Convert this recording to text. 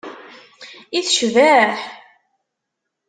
I tecbeḥ!